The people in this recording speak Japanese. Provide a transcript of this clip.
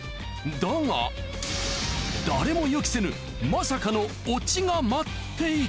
だが誰も予期せぬまさかのオチが待っていた。